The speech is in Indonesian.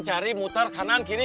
cari muter kanan kiri